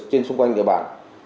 trên xung quanh địa bàn